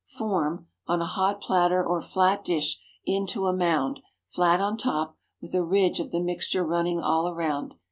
Form, on a hot platter or flat dish, into a mound, flat on top, with a ridge of the mixture running all around.